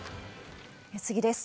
次です。